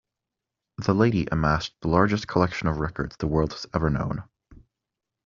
The lady amassed the largest collection of records the world has ever known.